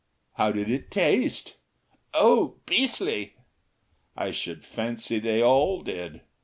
"How did it taste?" "Oh, BEASTLY!" I should fancy they all did.